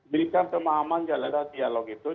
berikan pemahaman di dalam dialog itu